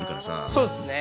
そうですね。